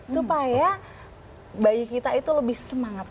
supaya bayi kita itu lebih semangat